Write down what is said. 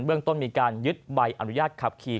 เรื่องต้นมีการยึดใบอนุญาตขับขี่